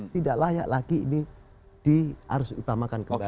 tidak layak lagi ini di harus utamakan kembali